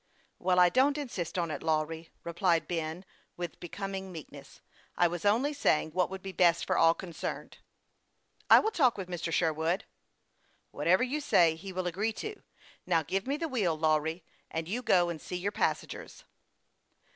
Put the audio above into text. " Well, I don't insist on it, Lawry," replied Ben, 23 266 HASTE AND WASTE, OR with becoming meekness. " I was only saying what would be best for all concerned." " I will talk with Mr. Sherwood." " Whatever you say, he will agree to. Xow, give me the wheel, Lawry, and you go and see your passengers.